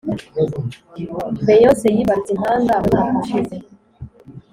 Beyonce yibarutse impanga mumwaka ushize